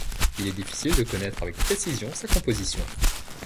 Il est difficile de connaître avec précision sa composition.